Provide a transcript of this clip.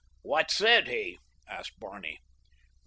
"What said he?" asked Barney.